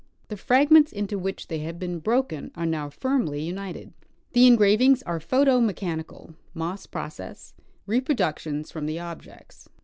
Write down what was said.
The fragments into which they have been broken are now firmly united. The engravings are photo mechanical (Moss process) reproductions from the objects.